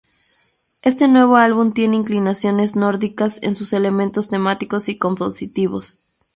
Este nuevo álbum tiene inclinaciones nórdicas en sus elementos temáticos y compositivos.